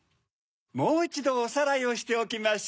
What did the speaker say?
もういちどおさらいをしておきましょ。